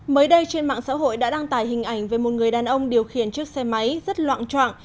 mới đây trên mạng xã hội đã đăng tải hình ảnh về một người đàn ông điều khiển chiếc xe máy rất loạn trọng